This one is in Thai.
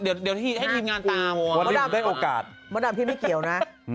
เดี๋ยวให้ทีมงานตามว่ามดดำพี่ไม่เกี่ยวนะ